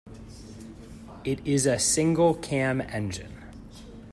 It is a single cam engine.